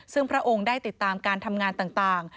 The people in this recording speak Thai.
ซึ่งพระองค์ได้ติดตามการทำงานต่าง